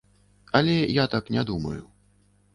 Але я так не думаю.